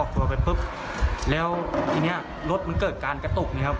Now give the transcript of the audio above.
ตัวไปเพิ่มแล้วทีนี้รถมันเกิดการกระตุกอย่างนี้ครับ